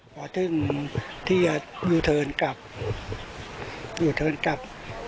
พอถึงที่อยู่เทินกลับอยู่เทินกลับ